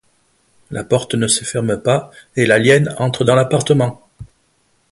La porte ne se ferme pas et l'alien entre dans l'appartement.